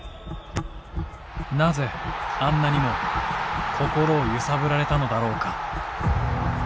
なぜあんなにも心を揺さぶられたのだろうか。